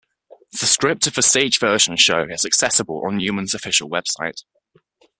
The script of the stage version show is accessible on Newman's official website.